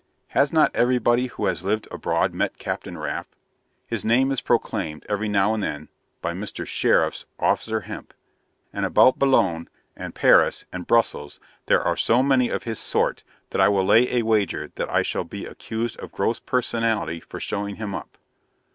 Has not everybody who has lived abroad met Captain Raff? His name is proclaimed, every now and then, by Mr. Sheriff's Officer Hemp; and about Boulogne, and Paris, and Brussels, there are so many of his sort that I will lay a wager that I shall be accused of gross personality for showing him up.